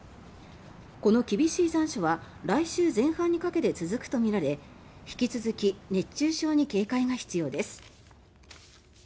この厳しい残暑は来週前半にかけて続くとみられ引き続き熱中症に警戒が必要です。